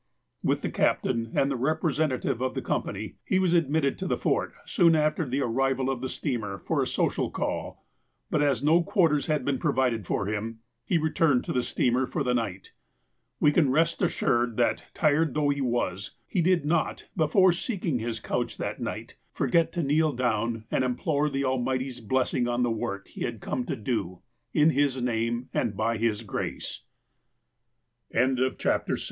With the captain and the representative of the com pany, he was admitted to the Fort soon after the arrival of the steamer, for a social call ; but as no quarters had been provided for him, he returned to the steamer for the night. We can rest assured that, tired though he was, he did not, before seeking his couch that night, forget to kneel down and implore the Almighty's blessing on the work lie had come to do in His name